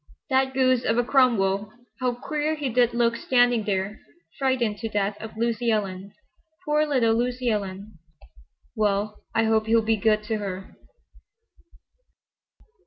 "That goose of a Cromwell! How queer he did look standing there, frightened to death of Lucy Ellen. Poor little Lucy Ellen! Well, I hope he'll be good to her."